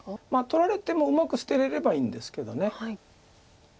取られてもうまく捨てれればいいんですけど。